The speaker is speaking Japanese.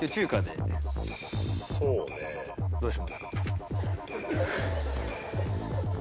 どうしますか？